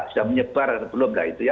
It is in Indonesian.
sudah menyebar atau belum